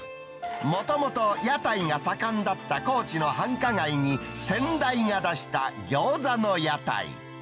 もともと屋台が盛んだった高知の繁華街に、先代が出した餃子の屋台。